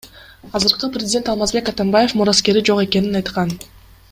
Азыркы президент Алмазбек Атамбаев мураскери жок экенин айткан.